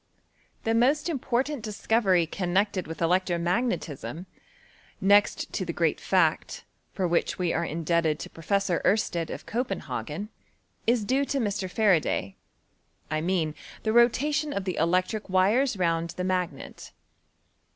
The most important discovery connect ed with electro magnetism , next to the great fact, for which we are indebted to Professor ^rstedt of Copenhs^n, is due to Mr. Faraday; I mean the rotation of the electric wires round the magnet.